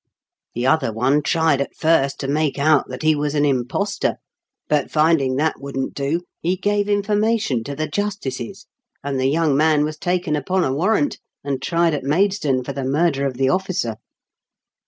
The other one tried at first to make out that he was an impostor, but finding that wouldn't do, he gave information to the justices, and the young man was taken upon a warrant, and tried at Maidstone for the murder of the ofl&cer."